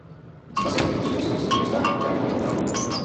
Supo ser minucioso sin menoscabo del amplio movimiento del conjunto.